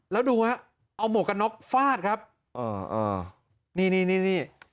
แล้วดูฮะเอาหมวกกันน็อกฟาดครับอ่านี่นี่นี่